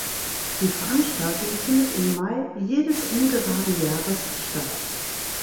Die Veranstaltung findet im Mai jedes ungeraden Jahres statt.